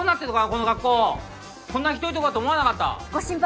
この学校こんなひどいとこだと思わなかったご心配